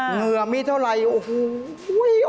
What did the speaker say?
เหงื่อมีเท่าไรโอ้โฮ